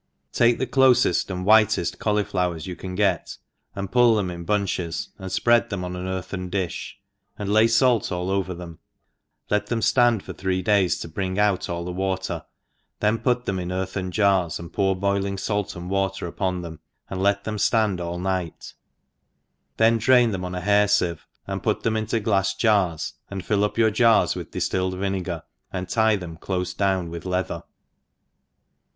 TAKE th? (lofeft and whiteft caulyiloiirers your can get^ and pu)l theof in bunches, and fpread them on an earthen difh^ and lay fait all over them, let them ftand for three days to bring out all the wf^tpr^ then put them in earthen jars, $in$lpovr bpi^iog fait and water upon tbsm, anc{. let them ft^nd 4II njght» thffi drain them on a hair iieve, ai^d put tbeim into glafs jars, and fill up ypur jars with diiltilled vinegar, and t» them clofe down with leadier.